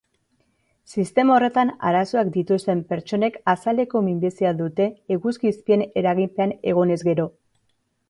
Sistema horretan arazoak dituzten pertsonek azaleko minbizia dute eguzki izpien eraginpean egonez gero.